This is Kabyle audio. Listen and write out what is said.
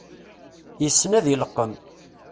Yessen ad ileqqem.